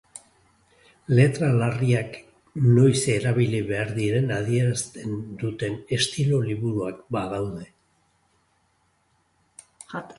Letra larriak noiz erabili behar diren adierazten duten estilo-liburuak badaude.